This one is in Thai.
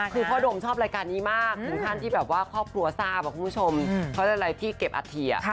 คือพ่อดมชอบรายการนี้มากถึงขั้นที่แบบว่าครอบครัวซาบอะคุณผู้ชมเขาได้รายที่เก็บอัดเทีย